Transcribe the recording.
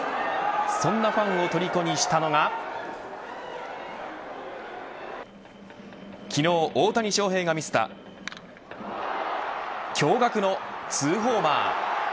そんなファンをとりこにしたのが昨日、大谷翔平が見せた驚愕のツーホーマー。